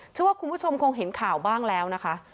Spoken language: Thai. เชื่อว่าคุณผู้ชมคงเห็นข่าวบ้างแล้วนะคะ